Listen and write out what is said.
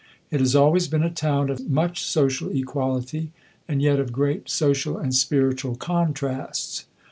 It has always been a town of much social equality, and yet of great social and spiritual contrasts.